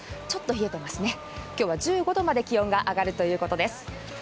ちょっと冷えていますね、今日は１５度まで気温が上がるということです。